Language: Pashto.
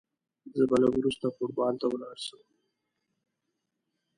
زه به لږ وروسته فوټبال ته ولاړ سم.